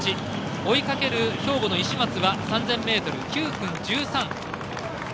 追いかける兵庫の石松は３０００ｍ９分１３。